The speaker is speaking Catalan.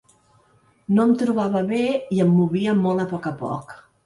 No em trobava bé i em movia molt a poc a poc.